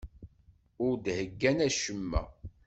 Ur d-heyyan acemma.